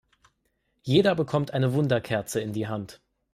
Jeder bekommt eine Wunderkerze in die Hand.